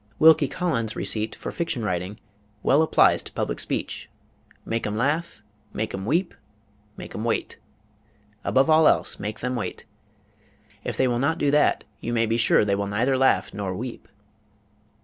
Wilkie Collins' receipt for fiction writing well applies to public speech: "Make 'em laugh; make 'em weep; make 'em wait." Above all else make them wait; if they will not do that you may be sure they will neither laugh nor weep.